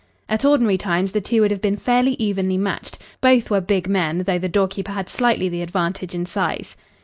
At ordinary times the two would have been fairly evenly matched. Both were big men, though the door keeper had slightly the advantage in size.